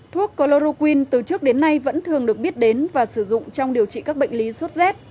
thuốc chloroquin từ trước đến nay vẫn thường được biết đến và sử dụng trong điều trị các bệnh lý sốt rét